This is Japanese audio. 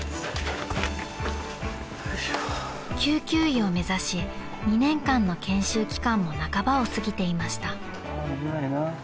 ［救急医を目指し２年間の研修期間も半ばを過ぎていました］